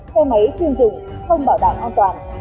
xe máy chuyên dụng không bảo đảm an toàn